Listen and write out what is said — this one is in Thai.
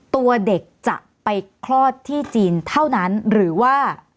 ตัวเด็กจะไปคลอดที่จีนเท่านั้นหรือว่า